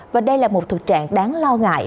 và đây là một thực trạng đáng lo ngại